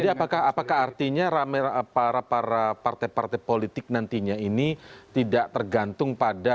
jadi apakah artinya rame para partai partai politik nantinya ini tidak tergantung pada